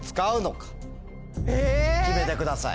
決めてください。